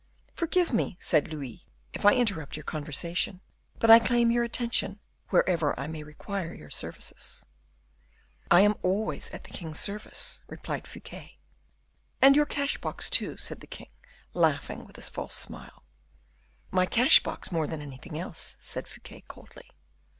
"Forgive me," said Louis, "if I interrupt your conversation; but I claim your attention wherever I may require your services." "I am always at the king's service," replied Fouquet. "And your cash box, too," said the king, laughing with a false smile. "My cash box more than anything else," said Fouquet, coldly.